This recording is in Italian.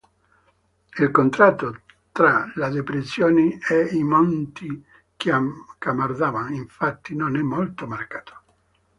Il contatto tra la depressione e i monti Chamar–Daban, infatti, non è molto marcato.